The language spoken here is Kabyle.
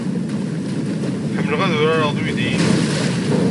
Ḥemmleɣ ad urareɣ ed uydi-inu.